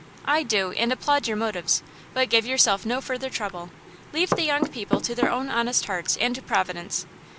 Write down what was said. "I do, and applaud your motives; but give yourself no further trouble! Leave the young people to their own honest hearts and to Providence.